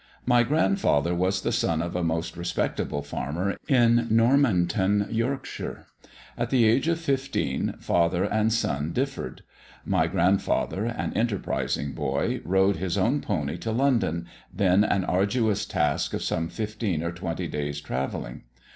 "My grandfather was the son of a most respectable farmer in Normanton, Yorkshire. At the age of 15, father and son differed. My grandfather, an enterprising boy, rode his own pony to London, then an arduous task of some fifteen or twenty days' travelling.